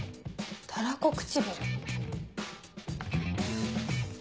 タラコ唇。